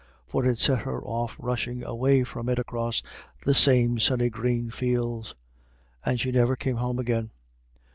For it set her off rushing away from it across the same sunny green fields, and she never came home again.